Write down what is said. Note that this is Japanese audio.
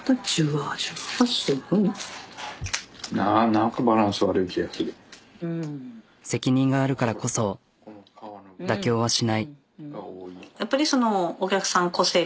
あぁ責任があるからこそ妥協はしない。